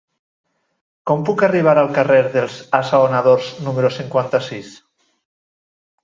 Com puc arribar al carrer dels Assaonadors número cinquanta-sis?